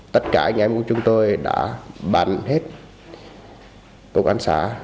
tất cả anh em của chúng tôi đã bắn hết tổ quán xã